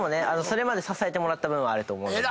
それまで支えてもらった分はあると思うので。